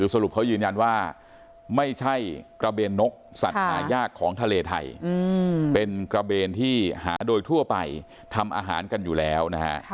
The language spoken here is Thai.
สรุปเขายืนยันว่าไม่ใช่กระเบนนกสัตว์หายากของทะเลไทยเป็นกระเบนที่หาโดยทั่วไปทำอาหารกันอยู่แล้วนะฮะ